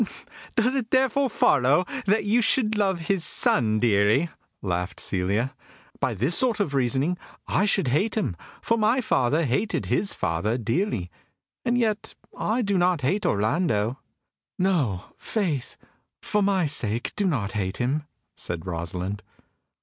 "Does it therefore follow that you should love his son dearly?" laughed Celia. "By this sort of reasoning I should hate him, for my father hated his father dearly. And yet I do not hate Orlando." "No, faith, for my sake do not hate him!" said Rosalind.